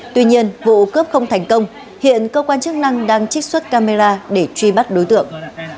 tuy nhiên vụ cướp không thành công hiện cơ quan chức năng đang trích xuất camera để truy bắt đối tượng